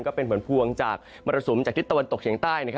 ก็เป็นผลพวงจากมรสุมจากทิศตะวันตกเฉียงใต้